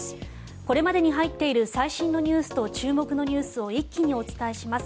これまでに入っている最新ニュースと注目のニュースを一気にお伝えします。